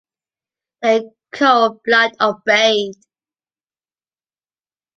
Their cold blood obeyed.